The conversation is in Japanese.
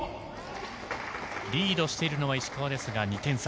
リードしているのは石川ですが２点差。